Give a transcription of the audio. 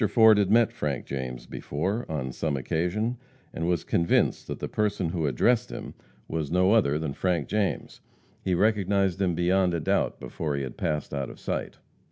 Ford had met Frank James before, on some occasion, and was convinced that the person who addressed him was no other than Frank James. He recognized him beyond a doubt before he had passed out of sight.